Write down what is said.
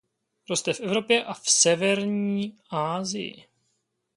Roste v Evropě a v Severní Asii.